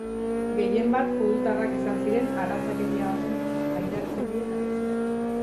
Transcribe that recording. Gehienbat judutarrak izan ziren arrazakeria honen pairatzaile nagusiak.